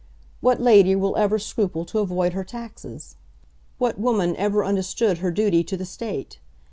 What lady will ever scruple to avoid her taxes? What woman ever understood her duty to the State?